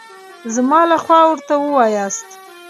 زما له خوا ورته ووایاست.